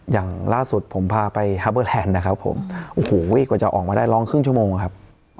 อย่างล่าสุดผมพาไปนะครับผมโอ้โหเว้ยกว่าจะออกมาได้ร้องครึ่งชั่วโมงอ่ะครับ